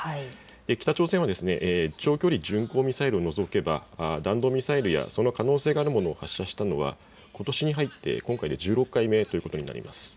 北朝鮮は長距離巡航ミサイルを除けば弾道ミサイルやその可能性があるものを発射したのはことしに入って今回で１６回目ということです。